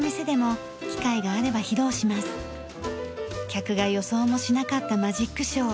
客が予想もしなかったマジックショー。